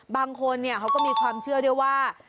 บางคนเขาก็มีความเชื่อด้วยว่า